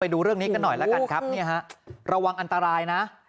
ไปดูเรื่องนี้กันหน่อยแล้วกันครับรวังอันตรายนะ